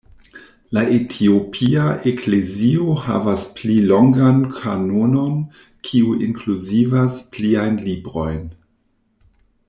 La etiopia eklezio havas pli longan kanonon kiu inkluzivas pliajn librojn.